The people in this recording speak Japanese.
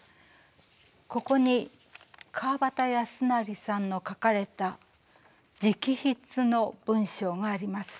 ここに川端康成さんの書かれた直筆の文章があります。